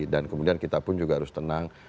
dan kemudian kita pun juga harus tenang